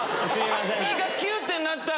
胃がキュってなったよ。